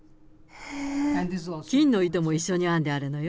金の糸も一緒に編んであるのよ。